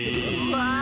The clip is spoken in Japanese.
わあ！